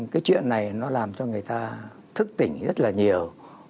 cái chuyện này nó làm cho người ta thức tỉnh rất là nhiều